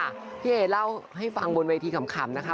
พี่เอเล่าให้ฟังบนเวทีขำนะคะ